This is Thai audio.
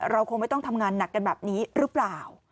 คงไม่ต้องทำงานหนักกันแบบนี้หรือเปล่า